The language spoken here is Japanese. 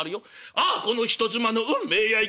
ああこの人妻の運命やいかに！」。